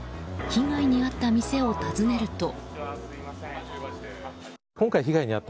被害に遭った店を訪ねると。